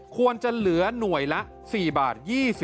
ควรจะเหลือหน่วยละ๔บาท